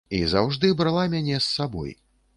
І заўжды брала мяне з сабой.